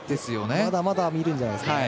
まだまだ見るんじゃないですかね。